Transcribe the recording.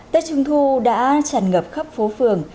tết trung thu đã tràn ngập khắp phố phường